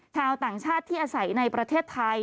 ชาวต่างชาติที่อาศัยในประเทศไทย